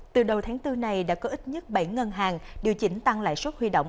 từ đầu tháng bốn này đã có ít nhất bảy ngân hàng điều chỉnh tăng lại suất huy động